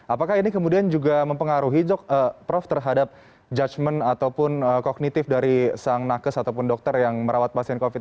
apakah ini kemudian juga mempengaruhi prof terhadap judgement ataupun kognitif dari sang nakes ataupun dokter yang merawat pasien covid sembilan